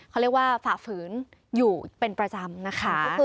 เขาเรียกว่าฝ่าฝืนอยู่เป็นประจำนะคะ